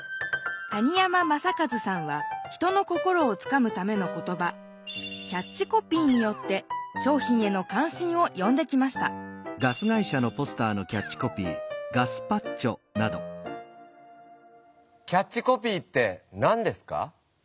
谷山雅計さんは人の心をつかむための言葉キャッチコピーによってしょうひんへのかん心をよんできましたキャッチコピーって何ですか？